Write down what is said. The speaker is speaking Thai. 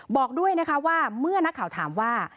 บอกด้วยนะคะว่าเมื่อนักข่าวถามว่า